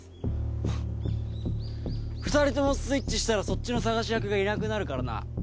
２人ともスイッチしたらそっちの探し役がいなくなるからな。